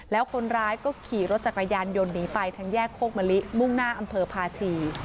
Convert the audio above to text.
แล้วคนร้ายก็ขี่รถจักรยานยนต์หนีไปทางแยกโคกมะลิมุ่งหน้าอำเภอพาชี